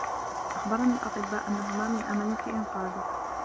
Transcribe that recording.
أخبرني الأطبّاء أنّه ما من أمل في إنقاذك.